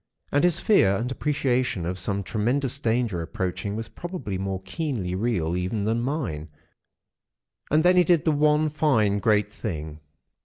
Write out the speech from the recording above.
And his fear and appreciation of some tremendous danger approaching was probably more keenly real even than mine. And then he did the one fine, great thing!"